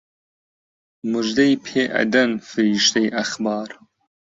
موژدەی پێ ئەدەن فریشتەی ئەخبار